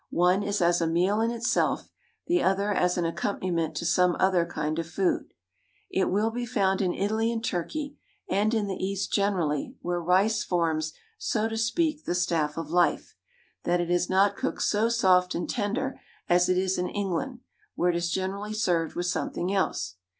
One is as a meal in itself, the other as an accompaniment to some other kind of food. It will be found in Italy and Turkey and in the East generally, where rice forms, so to speak, the staff of life, that it is not cooked so soft and tender as it is in England, where it is generally served with something else.